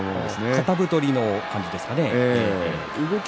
固太りの感じですね。